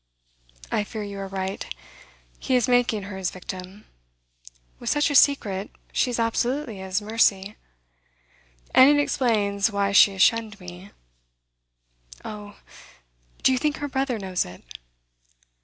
I fear you are right. He is making her his victim. With such a secret, she is absolutely at his mercy. And it explains why she has shunned me. Oh, do you think her brother knows it?